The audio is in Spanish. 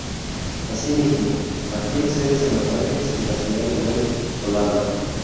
Asimismo, mantiene sedes en Los Ángeles y la ciudad de Well, Holanda.